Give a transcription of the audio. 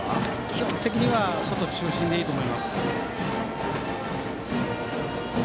基本的には外中心でいいと思います。